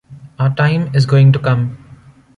Our time is going to come.